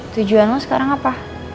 tujuan lo sekarang apa